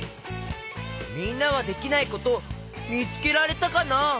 みんなはできないことみつけられたかな？